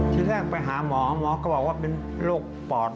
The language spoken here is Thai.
ทีแรกไปหาหมอหมอก็บอกว่าเป็นโรคปอด